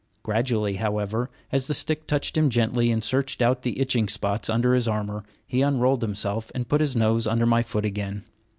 Gradually, however, as the stick touched him gently and searched out the itching spots under his armor, he unrolled himself and put his nose under my foot again.